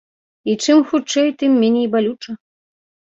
І чым хутчэй, тым меней балюча.